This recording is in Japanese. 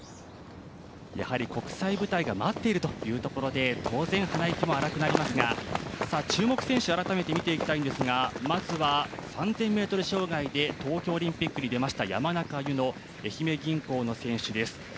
やはり、国際舞台が待っているというところで当然、鼻息も荒くなりますが注目選手、改めて見ていきたいんですがまずは３０００ｍ障害で東京オリンピックに出ました山中柚乃、愛媛銀行の選手です。